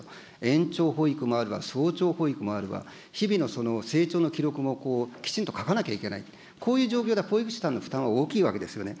延長保育もあるわ、早朝保育もあるわ、日々の成長の記録もきちんと書かなきゃいけない、こういう状況で保育士さんの負担は大きいわけですよね。